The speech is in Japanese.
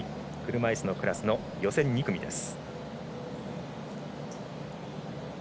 車いすのクラスの予選２組です。